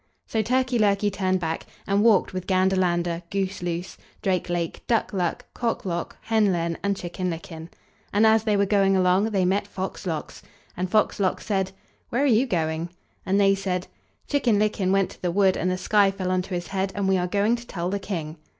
So Turkey lurkey turned back, and walked with Gander lander, Goose loose, Drake lake, Duck luck, Cock lock, Hen len, and Chicken licken. And as they were going along, they met Fox lox. And Fox lox said: "Where are you going?" And they said: "Chicken licken went to the wood, and the sky fell on to his head, and we are going to tell the King."